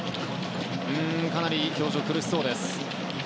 かなり表情苦しそうです。